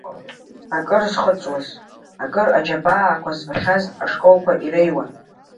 Акыр зхыҵуаз, акыр аџьабаақәа збахьаз ашколқәа иреиуан.